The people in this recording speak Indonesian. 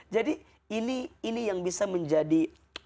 jadi ini yang bisa menjadi